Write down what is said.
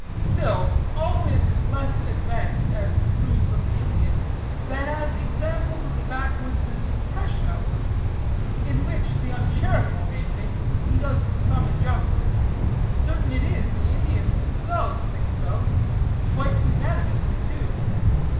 "'Still, all this is less advanced as truths of the Indians than as examples of the backwoodsman's impression of them in which the charitable may think he does them some injustice. Certain it is, the Indians themselves think so; quite unanimously, too.